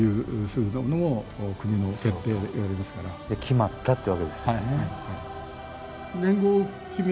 決まったってわけですよね。